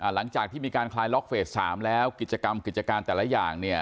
หลังจากที่มีการคลายล็อกเฟส๓แล้วกิจกรรมกิจการแต่ละอย่างเนี่ย